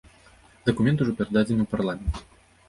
Дакумент ужо перададзены ў парламент.